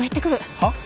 はっ？